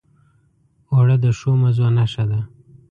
اوړه د ښو مزو نښه ده